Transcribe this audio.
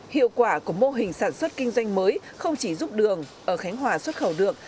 hiệu quả của mô hình sản xuất kinh doanh mới không chỉ giúp đường ở khánh hòa xuất khẩu đường